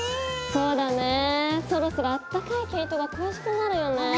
そうだねそろそろあったかい毛糸が恋しくなるよね。